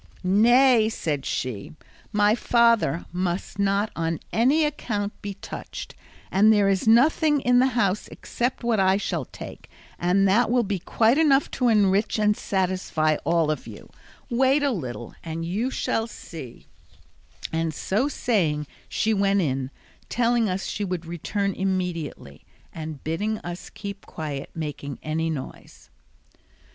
"Nay," said she, "my father must not on any account be touched, and there is nothing in the house except what I shall take, and that will be quite enough to enrich and satisfy all of you; wait a little and you shall see," and so saying she went in, telling us she would return immediately and bidding us keep quiet making any noise.